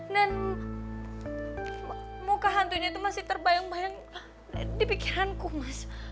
dan muka hantunya itu masih terbayang bayang di pikiranku mas